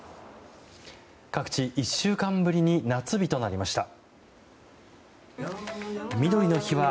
各地、１週間ぶりに夏日となりました。